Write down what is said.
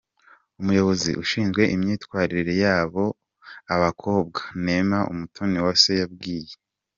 Umuyobozi ushinzwe imyitwarire y’ abo abakobwa, Neema Umutoniwase yabwiye.